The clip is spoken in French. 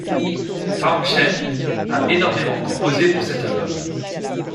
Townshend a énormément composé pour cet album.